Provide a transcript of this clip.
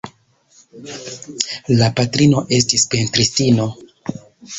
Lia patrino estis pentristino.